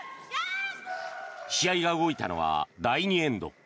試合が動いたのは第２エンド。